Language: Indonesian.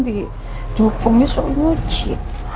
didukungnya soalnya uci